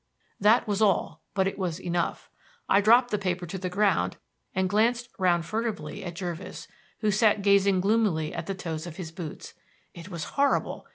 That was all; but it was enough. I dropped the paper to the ground and glanced round furtively at Jervis, who sat gazing gloomily at the toes of his boots. It was horrible!